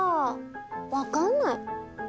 わかんない。